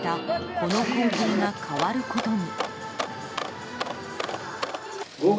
この光景が変わることに。